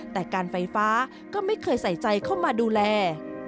แต่การไฟฟ้าก็ไม่เคยใส่ใจเข้ามาดูแล